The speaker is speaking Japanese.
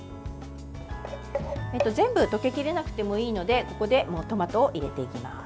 全部、溶け切れなくてもいいのでここでトマトを入れていきます。